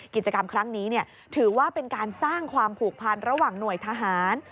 กิจกรรมครั้งนี้ถือว่าเป็นการสร้างความผูกพันระหว่างหน่วยทหาร